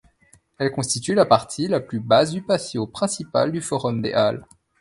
Elle constitue la partie la plus basse du patio principal du Forum des Halles.